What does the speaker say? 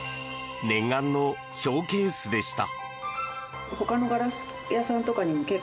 念願のショーケースでした。